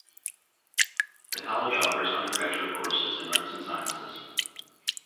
The college offers undergraduate courses in arts and sciences.